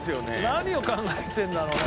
何を考えてるんだろうな。